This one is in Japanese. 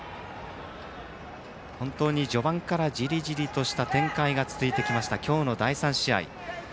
本当に序盤からじりじりとした展開が続きました今日の第３試合。